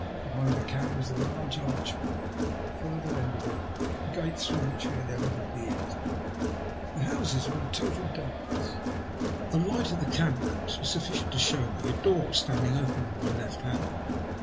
Behind the cab was a large arch way, and at the further end of it the gate through which we had evidently entered. The houses were in total darkness, but the light of the cab lamps was sufficient to show me a door standing open on my left hand.